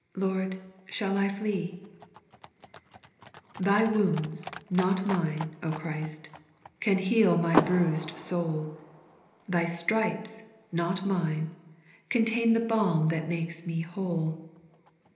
3, Thy wounds, not mine, O Christ 1 Can heal my bruised soul. Thy stripes, not mine, contain The balm that makes me whole.